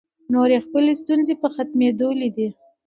نورې یې خپلې ستونزې په ختمېدو لیدې.